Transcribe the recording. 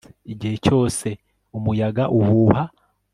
igihe cyose umuyaga uhuha